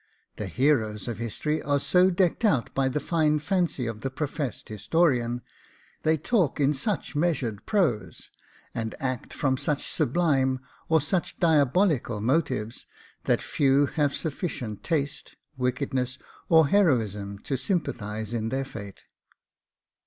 The heroes of history are so decked out by the fine fancy of the professed historian; they talk in such measured prose, and act from such sublime or such diabolical motives, that few have sufficient taste, wickedness, or heroism, to sympathise in their fate.